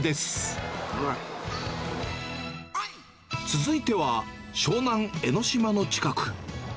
続いては、湘南、江の島の近く。